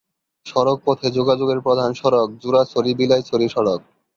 সড়ক পথে যোগাযোগের প্রধান সড়ক জুরাছড়ি-বিলাইছড়ি সড়ক।